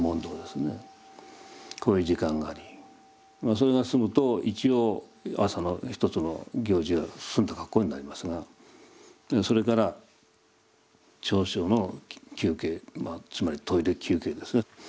こういう時間がありそれが済むと一応朝の一つの行事が済んだ格好になりますがそれから少々の休憩まあつまりトイレ休憩ですが。